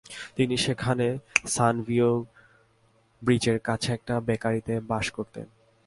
তিনি সেখানে San Vio ব্রিজের কাছে একটি বেকারিতে বাস করতেন।